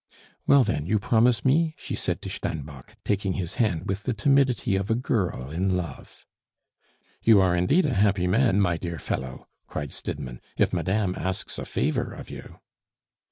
"Well, then, you promise me?" she said to Steinbock, taking his hand with the timidity of a girl in love. "You are indeed a happy man, my dear fellow," cried Stidmann, "if madame asks a favor of you!"